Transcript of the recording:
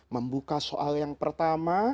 membuka soal yang pertama